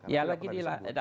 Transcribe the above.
ya lagi dilakukan persiapan